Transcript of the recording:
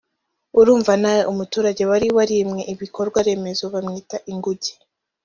Urumva nawe umuturage wari warimwe ibikorwa remezo bamwita inguge